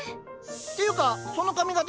っていうかその髪形